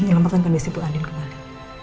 menyelamatkan kondisi bu adin kembali